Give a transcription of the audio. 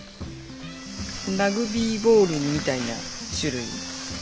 ラグビーボールみたいな種類。